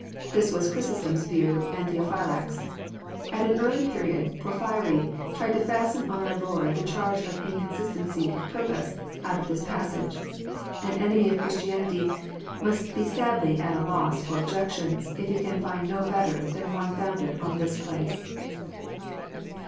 This is Chrysostom*s view and Theophylact's. At an early period Porphyry tried to fasten on our Lord the charge of inconstancy of purpose, out of this passage. Ah enemy of Christianity must be sadly at a loss for objections, if he can find no better than one founded on this place.